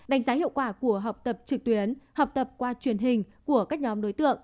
đánh giá hiệu quả của học tập trực tuyến học tập qua truyền hình của các nhóm đối tượng